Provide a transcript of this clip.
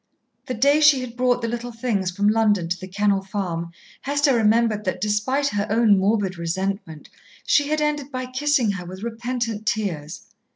The day she had brought the little things from London to The Kennel Farm, Hester remembered that, despite her own morbid resentment, she had ended by kissing her with repentant tears.